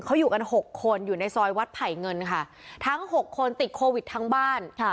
เขาอยู่กันหกคนอยู่ในซอยวัดไผ่เงินค่ะทั้งหกคนติดโควิดทั้งบ้านค่ะ